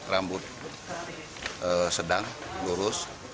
rambut sedang lurus